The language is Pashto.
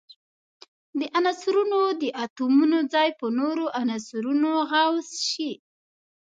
د عنصرونو د اتومونو ځای په نورو عنصرونو عوض شي.